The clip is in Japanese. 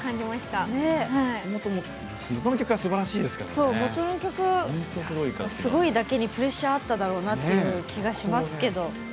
そう元の曲すごいだけにプレッシャーあっただろうなっていう気がしますけど。